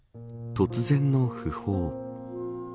突然の訃報。